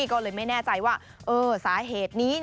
ก็เลยไม่แน่ใจว่าสาเหตุนี้